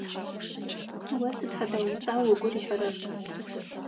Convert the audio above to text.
О сыд фэдэ уса угу рихьырэр?